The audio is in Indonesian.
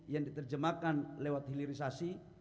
yang diterjemahkan lewat hilirisasi